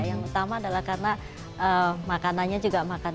yang utama adalah karena makanannya juga makan